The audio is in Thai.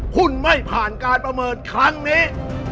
หุ้นไม่ผ่านการประเมินครั้งนี้